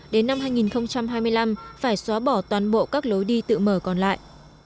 đến năm hai nghìn hai mươi năm phải xóa bỏ toàn bộ các lối đi tự mở còn lại